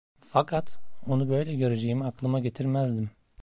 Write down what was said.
Fakat onu böyle göreceğimi aklıma getirmezdim.